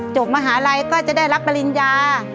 มหาลัยก็จะได้รับปริญญา